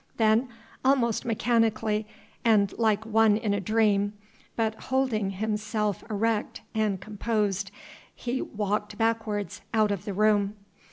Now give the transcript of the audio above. Then almost mechanically and like one in a dream, but holding himself erect and composed, he walked backwards out of the room.